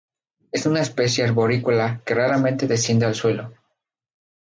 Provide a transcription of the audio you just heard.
Es una especie arborícola que raramente desciende al suelo.